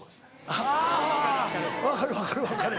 あ分かる分かる分かる。